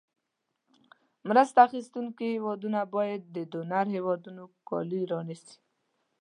مرسته اخیستونکې هېوادونو باید د ډونر هېوادونو کالي رانیسي.